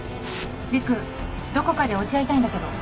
陸どこかで落ち合いたいんだけど